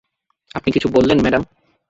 আপনি কিছু বললেন, ম্যাডাম?